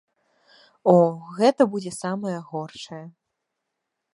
О, гэта будзе самае горшае.